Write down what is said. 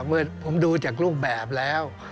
เมื่อผมดูจากรูปแบบแล้ว